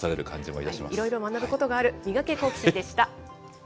いろいろ学ぶことがある、ミガケ、好奇心！でした。